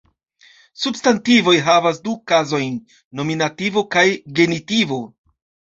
Substantivoj havas du kazojn: nominativo kaj genitivo.